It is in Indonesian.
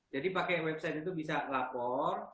jadi pakai website itu bisa lapor